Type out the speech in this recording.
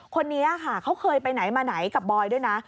คนนี้ค่ะเขาเคยไปไหนมาไหนกับบอยด้วยนะ